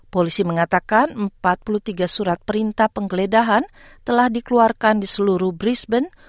polisi mengatakan empat puluh tiga surat perintah penggeledahan telah dikeluarkan di seluruh brisbon